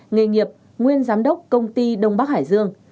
nghề nghiệp nguyên giám đốc công ty đông bắc hải dương